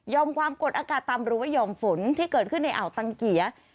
ความกดอากาศต่ำหรือว่าหย่อมฝนที่เกิดขึ้นในอ่าวตังเกีย